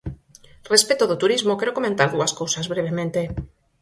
Respecto do turismo, quero comentar dúas cousas brevemente.